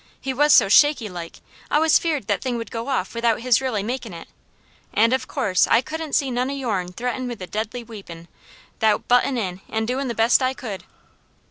He was so shaky like, I was 'feered that thing would go off without his really makin' it, and of course I couldn't see none of yourn threatened with a deadly weepon, 'thout buttin' in and doin' the best I could."